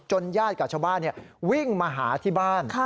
ญาติกับชาวบ้านวิ่งมาหาที่บ้าน